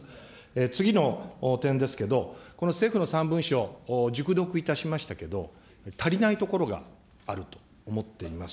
次の点ですけど、この政府の３文書、熟読いたしましたけれども、足りないところがあると思っています。